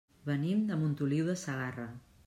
Venim de Montoliu de Segarra.